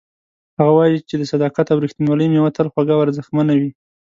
هغه وایي چې د صداقت او ریښتینولۍ میوه تل خوږه او ارزښتمنه وي